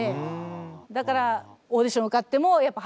だからオーディション受かってもやっぱ働けなかった。